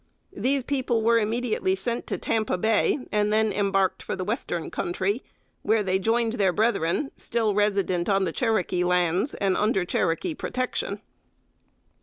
These people were immediately sent to Tampa Bay, and then embarked for the Western Country, where they joined their brethren, still resident on the Cherokee lands, and under Cherokee protection.